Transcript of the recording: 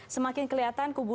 semakin kelihatan kubu dua